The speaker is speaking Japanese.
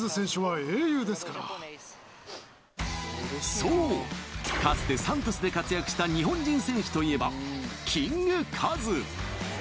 そう、かつてサントスで活躍した日本人選手といえばキングカズ。